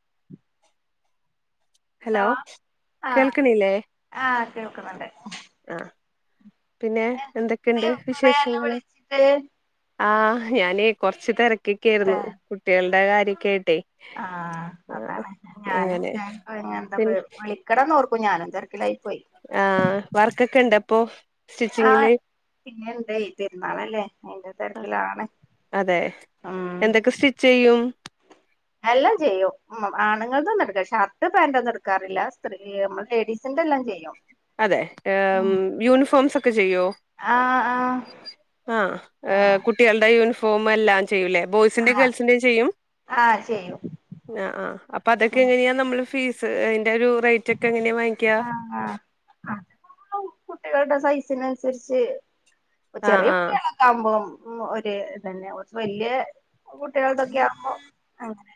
[inaudible] Hello ആഹ് കേൾക്കണില്ലേ ആഹ് കേൾക്കുന്നുണ്ട് ആ പിന്നെ എന്തൊക്കെയുണ്ട് ഇത് കൊറേയായല്ലോ വിശേഷങ്ങള് വിളിച്ചിട്ട് ആ ഞാന് കൊറച്ച് തിരക്കിക്കെര് ന്നു കുട്ടികളുടെ കാര്യൊക്കൊയിട്ട് ആ അതാണ് ഞാനും അങ്ങനെ ഞാനിപ്പോ എന്താ വിളിക്കണന്ന്ഓർക്കും ഞാനും തിരക്കിലായി പോയി ആഹ് വർക്കൊക്കെണ്ടൊപ്പോ ആഹ് സ്റ്റിച്ചിങ്ങില് പിന്നെ ഇണ്ടെയ് പെരുന്നാളല്ലേ അയി ന്റെ തിരക്കിലാണ് അതെ ഉം എന്തൊക്കെ സ്റ്റിച്ചെയ്യും എല്ലാം ചെയ്യും ഉ ആണുങ്ങൾതൊന്നും എടുക്കാറില്ല ഷർട്ട് പാന്റ്ന്നും എടുക്കാറില്ല സ്ത്രീ ലേഡീസിന്റെ തെല്ലാം ചെയ്യും അതെ യൂണിഫോംസ് ഒ- ചെയ്യോ ആഹ് ആഹ് ആ ആഹ് കുട്ടികളുടെ യൂണി ഫോമെല്ലാം ചെയ്യൂല്ലേ ബോയ്സിന്റേം ആഹ് ഗേൾസിന്റെയും ചെയ്യും ആഹ് ചെയ്യും ആ ആ അപ്പൊ അതൊക്കെ എങ്ങനെയാ നമ്മള് ഫീസ് അതിന്റെ ഒരു റേറ്റ് ഒക്കെ എങ്ങനെയാ വാങ്ങിക്കാ അ കുട്ടികളുടെ സൈസിനനുസരിച്ച് പ്പ ആ ചെറിയ ആ കുട്ടികളൊക്കെ ആകുമ്പോം ഉ ഒരേ ഇതന്നെ വല്ല്യാ കുട്ടികളുടെതൊക്കെ ആകുമ്പോ അങ്ങനെ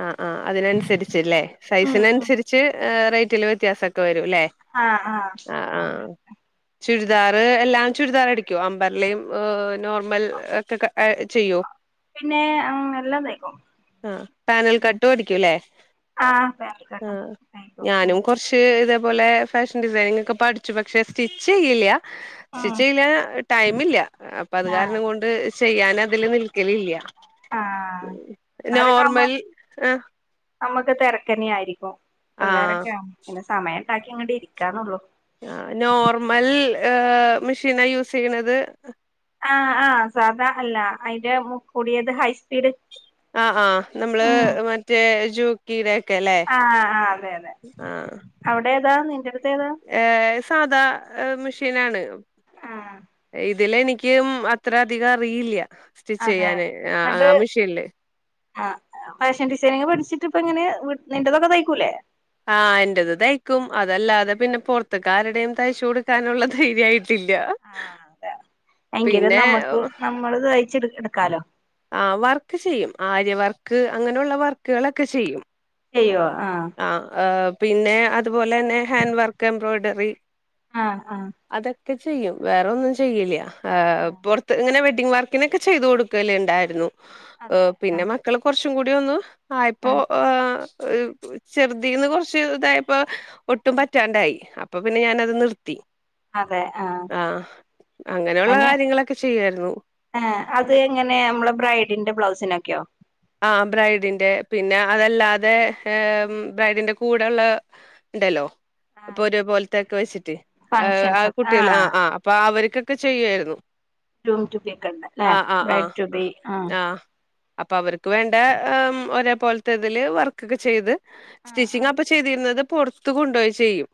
ആ ആ അതിനനുസരിച്ച്ല്ലേ സൈസിന് അനുസരിച്ച് റേറ്റ്ല് വ്യത്യാസം ഒക്കെ വരും. ല്ലേ ആഹ് ആഹ് ആ ആ അങ്ങനെ ചുരിദാർ എല്ലാം ചുരിദാർ അടിക്കോ അമ്പർലയും നോർമൽ ഒക്കെ ചെയ്യോ. പിന്നെ എല്ലാം തയ്ക്കും. അനാൽ കട്ടും അടിക്കും അല്ലേ? ആഹ് പാന്റ് കട്ടും തയ്ക്കും ഞാനും കുറച്ച് ഇതേപോലെ ഫാഷൻ ഡിസൈനിങ് ഒക്കെ പഠിച്ചു പക്ഷേ സ്റ്റിച്ച് ചെയ്യില്ല. ഉം സ്റ്റിച്ച് ചെയ്യല്ല ടൈം ഇല്ല അപ്പൊ അത് ആഹ് കാരണം കൊണ്ട് ചെയ്യാന് അതില് നിൽക്കല് ഇല്ല്യ ആ [unintelligible] ആവുമ്പോ [inaudible] നമ്മുക്ക് തിരക്കന്നെ ആയിരിക്കും ആഹ് പിള്ളേരൊക്കെ പിന്നെ സമയം ഉണ്ടാക്കി ഇങ്ങോട്ട് ഇരിക്കാന്നള്ളു ആ നോർമൽ മെഷീനാ യൂസ് ചെയ്യണത്.? ആ ആ സാധാ അല്ല അതിന്റെ കൂടിയത് ഹൈസ്പീഡ്. ജോക്കിടാ ആ ആ അതെ അതെ അവിടെ ഏതാ നിൻ്റെ ഏ സാധാ മെഷീനാണ്. ആഹ് ഇതില് എനിക്ക അത്ര അധികം അറിയില്ല. സ്റ്റിച്ച് അതെ ചെയ്യാന് ആഹ് എന്നിട്ട് ആ മെഷീനില് ആ ഫാഷൻ ഡിസൈനിങ് പഠിച്ചിട്ട് ഇപ്പ എങ്ങനെ നിന്റത്തൊക്കെ തയ്ക്കൂലേ ആ എൻ്റെത് തയ്ക്കും അതല്ലാതെ പിന്നെ പൊറത്തുകാരുടെയും തയ്ച്ചു കൊടുക്കാനുള്ള ധൈര്യായിട്ട് ഇല്ലാ. എങ്കിലും നമുക്ക് നമ്മള് തയിച്ച് എടുക്കാലോ ആ വർക്ക് ചെയ്യും ആര്യ വർക്ക് അങ്ങനെയുള്ള വർക്കുകളൊക്കെ ചെയ്യും. ചെയ്യോ. ആഹ് ആ പിന്നെ അതുപോലെ തന്നെ ഹാൻഡ് വർക്ക് എംബ്രോയിഡറി ആ ആ ക്കെ ചെയ്യും വേറെ ഒന്നും ചെയ്ല്ല്യാ പുറത്ത് ഇങ്ങനെ വെഡിങ് വർക്കിനൊക്കെ ചെയ് കൊടുക്കലിണ്ടായിരുന്നു അതെ പിന്നെ മക്കള് കുറച്ച് കൂടി ഒന്നു ആയപ്പോ ആഹ് ചെറുതീന്ന് കുറച്ച് വലുതായപ്പോ ഒട്ടും പറ്റാണ്ടായി അപ്പൊ പിന്നെ ഞാനത് നിർ അതെ ആ- അങ്ങനെയുള്ള അങ്ങനെ കാര്യങ്ങളൊക്കെ ചെയ്യുവായിരുന്നു ആ അത് എങ്ങനെയാ നമ്മള് ബ്രൈഡിന്റെ ബ്ലൗസിനൊക്കെ ആ ബ്രൈഡിന്റെ പിന്നെ അതല്ലാതെ ബ്രൈഡിന്റെ കൂടെള്ള ഇണ്ടല്ലോ. ആ പ്പ ഒരേ പോലത്തൊക്കെ വെച്ചിട്ട് ആ ആ ഫങ്ഷൻസ് ഒക്കെ കുട്ടികൾ ആ ആഹ് ആ അപ്പൊ അവർ ക്കൊക്കെ ചെയ്യായിരുന്നു ഗ്രും റ്റു ബി ഒക്കണ്ട് അല്ലേ ബ്രൈഡ് റ്റു ബി ആഹ് ആ ആഹ് അപ്പൊ അവർക്ക് വേണ്ട ഒരേ പോലത്തെ ഇതില് വർക്ക്ക്കൊക്കേ ചെയ്ത് ആഹ് സ്റ്റിച്ചിങ് ആഹ് അപ്പൊ ചെയ്തിരുന്നത് പൊറത്ത് കൊണ്ടുപോയി ചെയ്യും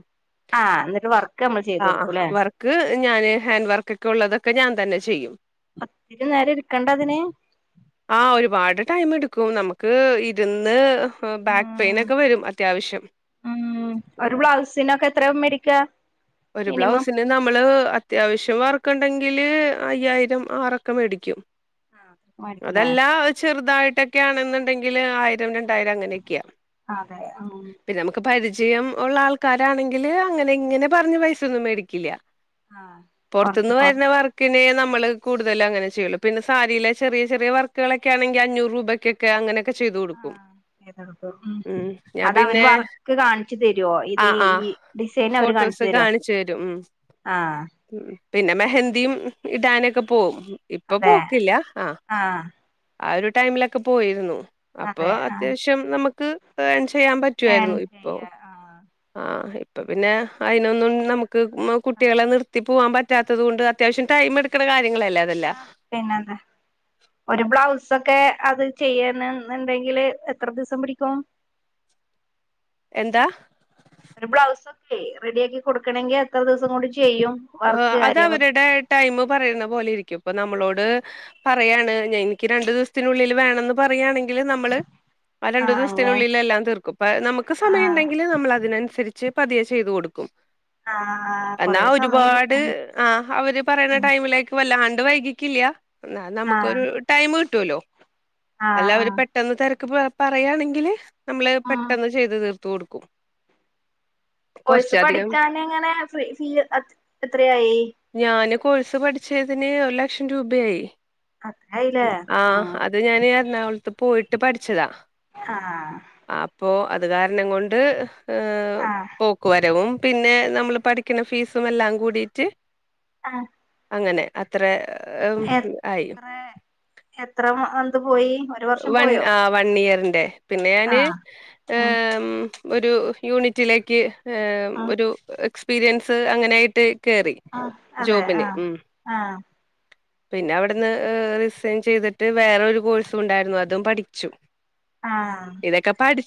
ആഹ് എന്നിട്ട് വർക്ക് നമ്മൾ ചെയ്ത് ആ കൊടുക്കൂല്ലേ വർക്ക് ഞാന് ഹാൻഡ് വർക്ക് ഒക്കെ ഉള്ളതൊക്കെ ഒക്കെ ഞാൻ തന്നെ ചെയ്യും ഒത്തിരി നേരം ഇരിക്കണ്ടേ അതിന്? ആ ഒരുപാട് ടൈം എടുക്കും നമുക്ക് ഇരുന്ന് ബാക്ക് പെയിൻ ഉം ഒക്കെ വരും അത്യാവശ്യം എത്രാ മേടിക്കാ.? ഒരു മിനിമം ബ്ലൗസിന് നമ്മള് അത്യാവശ്യം വർക്കണ്ടെങ്കിൽ. അതിന് അയ്യായിരം ആറക്ക മേടിക്കും. മേടിക്കൂലേ അതെല്ല ചെറുതായിട്ടൊക്കെയാണെന്നുണ്ടെങ്കില് ആയിരം രണ്ടായിരം അങ്ങനെയൊക്കെയാണ്. അതെ ഉം പിന്നെ നമുക്ക്പ്പ വിജയം ഉള്ള ആൾക്കാരാണെങ്കിൽ അങ്ങനെ ഇങ്ങനെ പറഞ്ഞ പൈസൊന്നും മേടിക്കില്ല കൊറച്ച് പുറത്തുന്ന് കൊറ വരുന്ന വർക്കിനെ നമ്മള് കൂടുതല് അങ്ങനെ ചെയ്യുള്ളൂ പിന്നെ സാരില ചെറിയ ചെറിയ വർക്കുകളൊക്കെ ആണെങ്കിൽ അഞ്ഞൂറ് രൂപയ്ക്കൊക്കെ അങ്ങനൊക്കെ ചെയ്തു കൊടുക്കും എന്താണ് പ്പൊ ഉം ഞാൻ അത അവര് പിന്നെ വർക്ക് കാണിച്ചു തരുവോ ഇത്ഈ ഡിസൈൻ അവര് കാണ ഡിസ് കാണിച്ചു തരും ഉം ആഹ ഉം പിന്നെ മെഹന്തി ഇടാനൊക്കെ പോവും ഇപ്പൊ പോക്കില്ല. ആ ആഹ ആ ഒരു ടൈമിലൊക്കെ പോയിരുന്നു. അപ്പൊ അതെ ആഹ് അത്യാവശ്യം നമുക്ക് ഏ ചെയ്യാൻ ഏൺ പറ്റുവായിരുന്നു. ഇപ്പോ ചെയ്യ ആഹ് ആ ഇപ്പ പിന്നെ അതിനൊന്നും നമുക്ക് കുട്ടികളെ സമയം നിർത്തി പോവാൻ പറ്റാത്ത കൊണ്ട് അത്യാവശ്യം ടൈം എടുക്ക ക യങ്ങളല്ല അതല്ല ആഹ് പിന്നെന്താ ഒരു ബ്ലൗസ് ഒക്കെ അത് ചെയ്യന്നുണ്ടെങ്കില് എത്ര ദിവസം പിടിക്കും. എന്താ ഒരു ബ്ലൗസക്കെ റെഡി ആക്കി കൊടുക്കണങ്കിൽ എത്ര ദിവസം കൂടി അത് അവരുടെ ടൈം പറയുന്ന പോലെ ഇരിക്കും. അപ്പൊ നമ്മളോട് പറയാണ് ഞാൻ എനിക്ക് രണ്ടു ദിവസത്തിനുള്ളിൽ വേണന്ന് പറയയാണ നമ്മ രണ്ടു ആഹ് അങ്ങനെ ദിവസത്തിനുള്ളിലെല്ലാം തീർക്കും. നമുക്ക് സമയ ആഹ് ഉണ്ടെങ്കിൽ നമ്മൾ അതിനനുസരിച്ച് ച്ച് പതിയെ ചെയ്തു കൊടുക്കും. ആഹ എന്നാ ഒരുപാട് ആ അവര് പറയുന്ന ടൈമിലേക്ക് വല്ലാണ്ട് വൈകിക്കില്ല. എന്നാ നമുക്കൊരു ആഹ് ടൈം കിട്ടുല്ലോ അല്ല അവര് ആഹ് പെട്ടെന്ന് തെരക്ക് പറയാണെങ്കിൽ നമ്മള് ആഹ് പെട്ടെന്ന് ചെയ്ത് തീർത്ത കൊടുക്കും. കോയ്സ് കുറച്ചധികം പഠിച്ചാനങ്ങനെ ഫ്രീ ഞാന് കോഴ്സ് പഠിച്ചതിന് ഒരു ലക്ഷം രൂപയായി. അത്രായില്ലേ ആഹ ആഹ് അത് ഞാൻ എറണാകുളത്ത് പോയിട്ട് പഠിച്ചതാ. ആഹ അപ്പോൾ അത് കാരണം കൊണ്ട് ആഹ് പോക്ക് വരവും പിന്നെ നമ്മൾ പഠി ഫീസും എല്ലാം കൂടിട്ട് ആഹ അങ്ങനെ അത്രെ എത്ര എത്ര മന്ത് പോയി. ഒരു വർഷം വൺ പോയോ ആ വൺ ഇയറിൻന്റെ പിന്നെ ഞാന് ആഹ് എം ഒരു യൂണിറ്റിലേക്ക് ആഹ് ഒരു എക്സ്പീരിയൻസ് അങ്ങനെയായിട്ട് കേറി ആഹ് അതെ ജോബിന് ആഹ് ഉം ആഹ് പിന്നെ അവിടുന്ന് റിസൈൻ ചെയ്തിട്ട് വേറെ ഒരു കോഴ്സും ഉണ്ടായിരുന്നു അതും പഠിച്ചു. ആഹാ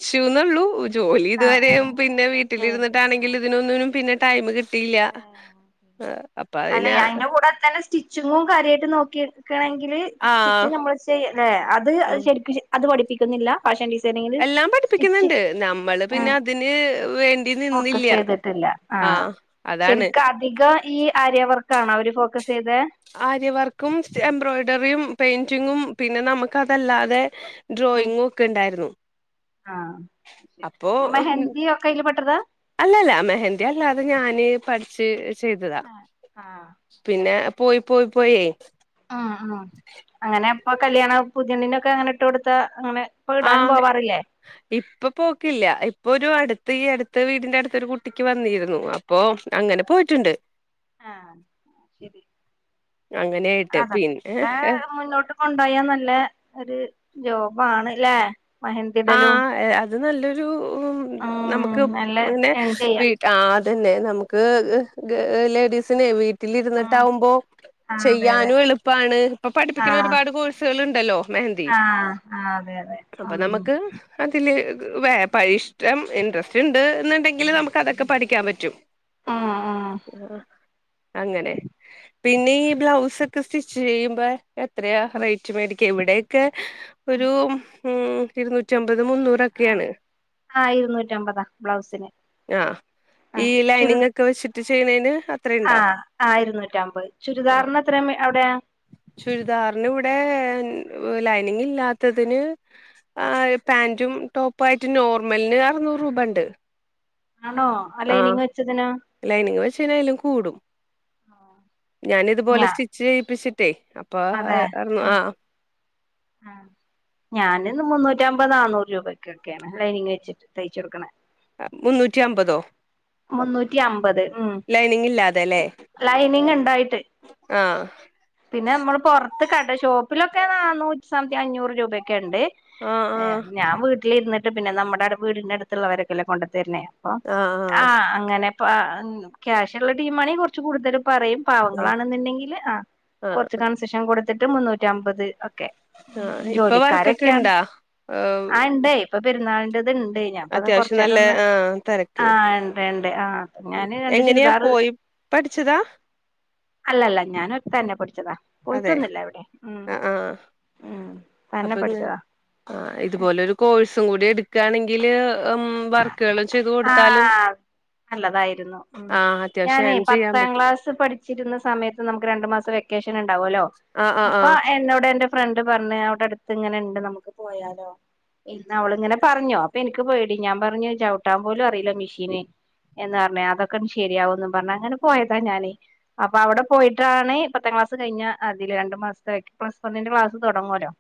ചുന്നുള്ളൂ ജോലി ഇതുവരെയ പിന്നെ ചെയ്തില്ലേ വീട്ടിലിരുന്നിട്ടാണെങ്കിൽ ഇതിനൊന്നിനും പിന്നെ ടൈം കിട്ട അല്ലെ അതിന് അതിന്റെ കൂടെ ത്തന്നെ സ്റ്റിച്ചിങ്ങും കാര്യമായിട്ട് നോക്കി. ണെങ്കിൽ സ്റ്റിച്ച് ആഹ് നമ്മൾ ചെയ അല്ലെ അത് ആഹ് അത് പഠിപ്പിക്കുന്നില്ല ഫാഷൻ ഡി എല്ലാം പഠിപ്പിക്കുന്നുണ്ട് നമ്മള് പിന്നെ അതിന് വേണ്ടി ഫോകസ് നിന്നില്ല. ചെയ്തിട്ടില്ല. ആഹ ആഹ് അതാണ്. ശരിക്ക് അധികം ഈ ആര്യയവർക്ക് കാണോ അവര് ഫോക്കസ് ചെയ്ത് ആര്യവർക്കും എംബ്രോയിഡറിയും പെയിന്റിങ്ങും പിന്നെ നമുക്കതല്ലാതെ ഡ്രോയിങ്ങും ഒക്കെ ഉണ്ടായിരുന്നു. ആഹെ അപ്പോ മെഹന്ദിയ ഒക്കെ അയിൽ പെട്ടത അല്ലല്ല മെഹന്ദതി അല്ലാതെ ഞാന് പഠി ചെ ചെയ്തതാ പിന്നെ പോയി, പോയി പോയെ. ആ ആ അങ്ങനെപ്പൊ കല്യാണ പുതിയണ്ണിനൊക്കെ അങ്ങനെ ഇട്ടോടുത്ത ആഹ് ഇപ്പൊ പോക്കില്ല. ഇപ്പൊ ഒരു അട് ഈ അടുത്ത് വീടിന്റെ അടുത്തൊരു കുട്ടിക്ക് വന്നിരുന്നു അപ്പൊ അങ്ങനെ പോയിട്ടുണ്ട് ആഹ് ശരി അങ്ങനെയായിട്ട് പിന്നെ അതൊക്കെ മുന്നോട്ട് കൊണ്ടുപോയാ നല്ല ഒരു ജോബാണ്ല്ലേ. ആ അത് നല്ലൊരു, നമുക്ക് ഉം നല്ല പിന്നെ ഏൺ ചെയ്യാം വീട്ടാ ആ ന്നെ നമുക്ക് ലേഡീസിനെ വീട്ട് ഉം ട്ടിലിരുന്നിട്ടാവുമ്പോ ആഹ് അതെ അതെ ചെയ്യാനും എളുപ്പാണ്. ഇപ്പ പഠിപ്പിക്കുന്ന ആഹ് ഒരുപാട് കോഴ്സുകള്ണ്ടല്ലോ. ന്തീ ആഹ് ആഹ് അതെ, അതെ ആം. അതില് വ പ ഇഷ്ടം ഇൻട്രസ്റ്റ്ണ്ട് എന്നണ്ടെങ്കില് നമുക്ക് അതൊക്കെ പഠിക്കാൻ പറ്റും. ഉം ഉം ആഹ് അങ്ങനെ. പിന്നെ ഈ ബ്ലൗസ് ഒക്കെ സ്റ്റിച്ച് ചെയ്യുമ്പോ എത്രയാ റേറ്റ് മേടിക്ക? എവിടെക്ക ഒരു ഉം ഇരുന്നൂറ്റമ്പത്, മുന്നൂറൊക്കെയാണ്. ആഹ് ഇരുന്നൂറ്റമ്പതാ ബ്ലൗസിന്. ആ ആ ഈ ചു ലൈനിങ് ഒക്കെ വെച്ചിട്ട് ചെയ്യണേന് ആ അത്രയുണ്ടോ ആ ഇരുന്നൂറ്റമ്പത്, ആ ചുരിദാർനെത്രയ മേ അവിടെയ [inaudible] ചുരിദാറിന് ഇവിടെ ലൈനിങ് ഇല്ലാത്തതിന് ആ പാന്റും ടോപ്പായിട്ട് നോർമലിന് അറ്നൂറ് റൂപണ്ട്. ആണോ ആ ആഹ് ലൈനിങ് വെച്ചതിനോ ലൈനിങ് വെച്ചയിനെലും കൂടും. ഞാനിതുപോലെ ഞാ സ്റ്റിച്ച് ചെയ്യിപ്പിച്ചിട്ടേ, അപ്പ അറ് ആ ആ ഞാനിന്ന് മുന്നൂറ്റമ്പത് നാന്നൂറ് രൂപക്കൊക്കെയാണ് ലൈനിങ് വെച്ചിട്ട് തയ്ച്ചൊടുക്കണെ. മുന്നൂറ്റി അമ്പതോ? മുന്നൂറ്റി അമ്പത്. ഉം ലൈനിങ് ഇല്ലാതെല്ലേ ലൈനിങ്ണ്ടായിട്ട്. ആ പിന്നെ നമ്മള് പൊറത്ത് കടെ ഷോ പ്പിലൊക്കെ നനൂറ്റിസംതി അഞ്ഞൂറ് രൂപെക്കെണ്ട്. ആ ആ ഞാൻ വീട്ടിലിരുന്നി പിന്നെ നമ്മുടെടെ വീടിന്റെ അടുത്തുള്ളവരൊക്കെല്ല കൊണ്ടത്തരണെ, അപ്പൊ ആ അങ്ങനെ പ്പ ക്യാഷ്ള്ള ടീംമ്മാണി കൊർച്ച് കൂടുതലും പറയും. ആഹ് പാവങ്ങളാണെന്നുണ്ടെങ്കില്, ആ, ആഹ് കൊർച്ച് കൺസെഷൻ കൊടുത്തിട്ട് മുന്നൂറ്റി അമ്പത് ക്കെ ആഹ് ഇപ്പൊ വർക്കൊക്കെ ജോലിക്കാരൊക്കെയാ, ഇണ്ടാ ഏഹ് ആ ണ്ടെ ഇപ്പൊ പെരുന്നാളി ഞാൻപ്പ ഒന്ന് അത്യാവശ്യം കൊറച്ചേരം നല്ല ഒന്ന് ആഹ് തെരക്ക് ണ്ട്, ണ്ട് ആഹ് ഞാന് രണ്ട് എങ്ങനെയാ ചുരിദാറ് പോയി പഠിച്ചതാ അല്ലല്ല ഞാനൊ തന്നെ പടിച്ചതാ. പോയിട്ടൊന്നുല്ല എവിടേം. ഉം. തന്നെ അപ്പൊങ പഠിച്ചതാ ആ ഇതുപോലെരു കോഴ്സും കൂടി എടുക്കാണെങ്കില് ഉം വർക്കുകള് ചെയ്ത് ആ കൊടുത്താലും നല്ലതായിരുന്നു. ഉം ആഹ് അത്യാവശ്യം ഞാനേ ഏൺ ചെയ്യാൻ പത്താം പറ്റും ക്ലാസ് പഠിച്ചിരുന്ന സമയത്ത് നമുക്ക് രണ്ടു മാസം വെക്കേഷന് ഉണ്ടാവല്ലോ ആഹ് ആഹ് അപ്പ ആഹ് എന്നോട് എന്റെ ഫ്രണ്ട് പറഞ്ഞ് അവടെ അടുത്ത് ഇങ്ങനെണ്ട് നമുക്ക് പോയാലോ ഇന്ന് അവളിങ്ങനെ പറഞ്ഞോ അപ്പൊ എനിക്ക് പേ ഞാൻ പറഞ്ഞു ചവിട്ടാം പോലും അറിയില്ല മെഷീന് എന്നറഞ്ഞ് അതൊക്കെ ശെരിയാവുംന്ന് പറഞ്ഞ്. അങ്ങനെ പോയതാ ഞാന് അപ്പൊ അവിടെ പോയിട്ടാണ് ഇപ്പ ക്ലാസ്സ് കഴിഞ്ഞ് അതില് രണ്ട് മാസത്തി പ്ലസ് വണ്ണിന്റെ ക്ലാസ്സ് തുടങ്ങുല്ലോ.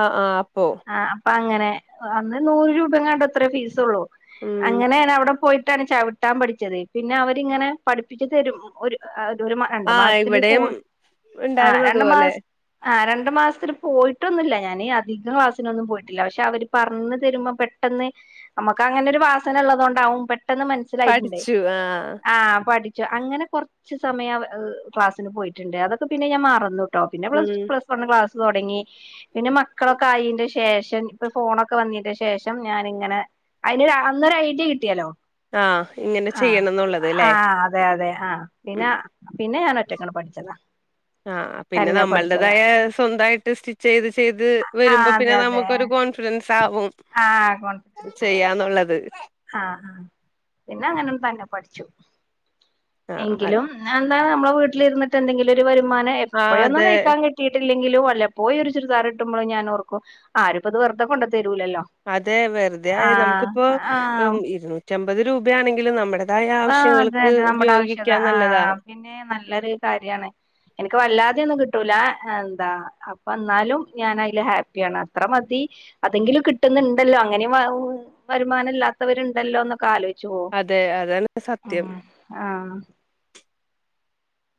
ആഹ് ആഹ് അപ്പൊ അപ്പ അങ്ങനെ അന്ന് നൂറ് രൂപയുംങ്ങാണ്ട് അത്രേ ഫീസൊള്ളൂ. ഉം അങ്ങനെണ് അവിടെ പോയിട്ട് ട്ടാണ് ചവിട്ടാം പഠിച്ചത്, പിന്നെ അവരിങ്ങനെ പഠിപ്പിച്ച് തരും. ഒര് അ ഒരു രണ്ടു ആഹ് മാസത്തില് ക ഇവിടെയും ആ രണ്ട് മാസ ഇണ്ടായിരുന്നതുപോലെ ആ രണ്ടു മാസത്തിൽ പോയിട്ടൊന്നുംല്ല. ഞാനീ അധികം ക്ലാസ്സിനൊന്നും പോയിട്ടില്ല പക്ഷെ അവര് പറഞ്ഞ് തരുമ്പോ പെട്ട ന്ന് നമുക്കങ്ങനൊരു വാസന ഉള്ളതോണ്ടാവും പെ ട്ടെന്ന് മനസ്സിലായിട്ടുണ്ടേ. പഠിച്ചു ആഹ് ആ പഠി ച്ച് അങ്ങനെ കൊർച്ച് സമയം ആ ക്ലാസിന് പോയിട്ടുണ്ട് അതൊക്കെ പിന്നെ ഞാൻ മറന്നു. ട്ടോ പിന്നെ പ്ലസ് ഉം പ്ലസ്വൺ ക്ലാസ് തുടങ്ങി പിന്നെ മക്കളൊക്കെ ആയിന്റെ ശേഷം ഇപ്പൊ ഫോണൊക്കെ വന്നീന്റെ ശേഷം നാനി ഇങ്ങനെ അതിനൊരു അ [unintelligible] ന്നര ഐഡിയ കിട്ടിയാലോ ആഹ് ഇങ്ങനെ ആ ചെയ്യണംന്നുള്ളത് ല്ലേ ആഹ അതെ അതെ ആഹ് ഉം പിന്നെ പിന്നെ ഞാൻ ഒറ്റങ്ങ [unintelligible] പഠിച്ചതാ [unintelligible] ആ് പിന്നെ തന്നെ പഠിച്ചതാ നമ്മളടേതായ സ്വന്തമായിട്ട് സ്റ്റിച്ച് ചെയ്ത് ചെയ്ത് വരുമ്പോ ആഹ് പിന്നെ അതെ അതെ നമുക്കൊരു കോൺഫിഡൻസ് സാവും ആഹ് കോൺഫിഡൻസ് [unintelligible] ആയി ചെയ്യാന്നുള്ളത് ആഹ് പിന്നെ അങ്ങനെന്ന തന്നെ പഠിച്ചു ആഹ് എങ്കിലും അത് എന്താ നമ്മളെ വീട്ടിലിരുന്നി് എന്തെങ്കിലും ഒരു വരുമാനം ആഹ് എപ്പോഴൊന്നും അതെ തയ്ക്കാൻ കിട്ടിയിട്ടില്ലങ്ക ക്കിലും വല്ല പോയും ഒരു ചരിദാർ കി ട്ടുബോ ഞാൻഓ ർക്കും ആരും ഇത് വെറതെ കൊണ്ട [unintelligible] അതെ വെറുതെ നമുക്കിപ്പോൊ ആഹ് ഇരുന്നൂറ്റി അമ്പത് രൂപയാണെങ്കിലും നമ്മുടെ ആഹ അതെ അതെ നമ്മുടെ ആവശ്യകത നല്ലതാ ആഹ പിന്നെ നല്ലൊരു കാര്യാണ് എനിക്ക് വല്ലാതെയൊന്ന് കി [unintelligible] ട്ട കിട്ടൂല എന്താ അപ്പന്നാലും ഞൻ അതിൽ ഹാപ്പിയാണ് അത്ര മതി അതെങ്കിലും കിട്ടു [unintelligible] ണ്ടല്ലോ അങ്ങനെ വരുമാനംല്ലത്തവരു ഉണ്ടല്ലോൊന്നൊ ക്കെ ആലോചിക്ക അതെ അതാണ് ആഹ സത്യം ആഹ